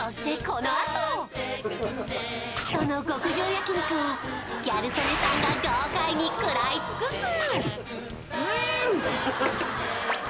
このあとその極上焼肉をギャル曽根さんが豪快に食らい尽くす！